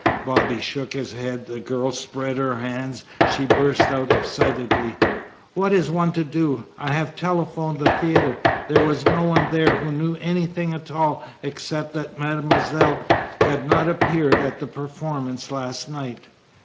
Bobby shook his head. The girl spread her hands. She burst out excitedly: "What is one to do? I have telephoned the theatre. There was no one there who knew anything at all, except that mademoiselle had not appeared at the performance last night."